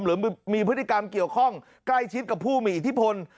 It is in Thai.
หรือมีพฤติกรรมเกี่ยวข้องใกล้ชิดกับผู้มีอิทธิพล